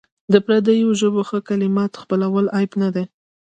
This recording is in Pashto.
د پردیو ژبو ښه کلمات خپلول عیب نه دی.